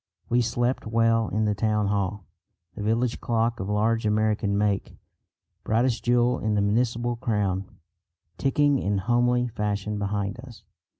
We slept well in the town hall, the village clock of large American make, brightest jewel in the municipal crown, ticking in homely fashion behind us.